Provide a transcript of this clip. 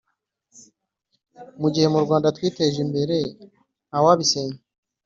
mu gihe murwanda twiteje imbere ntawabisenya